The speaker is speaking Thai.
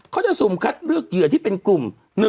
สุ่มคัดเลือกเหยื่อที่เป็นกลุ่ม